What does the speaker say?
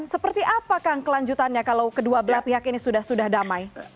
seperti apakah kelanjutannya kalau kedua belah pihak ini sudah selesai